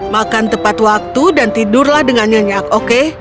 makan tepat waktu dan tidurlah dengan nyenyak oke